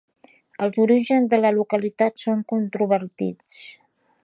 Els orígens de la localitat són controvertits.